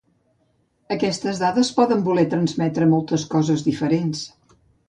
Aquestes dades poden voler transmetre moltes coses diferents.